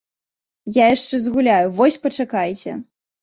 Я яшчэ згуляю, вось пачакайце!